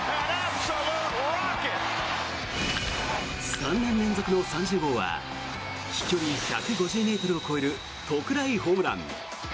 ３年連続の３０号は飛距離１５０ｍを超える特大ホームラン。